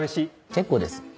結構です。